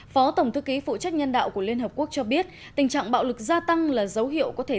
phó tổng thư ký phụ trách nhân đạo của liên hợp quốc cho biết tình trạng bạo lực gia tăng là dấu hiệu có thể